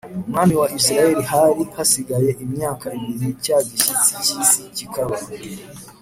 umwami wa Isirayeli hari hasigaye imyaka ibiri cya gishyitsi cy’isi kikaba.